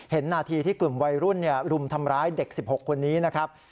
นาทีที่กลุ่มวัยรุ่นรุมทำร้ายเด็ก๑๖คนนี้นะครับ